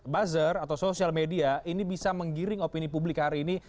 buzzer atau sosial media ini bisa menggiring opini publik hari ini